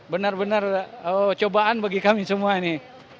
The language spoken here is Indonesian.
benar benar cobaan bagi kami semua ini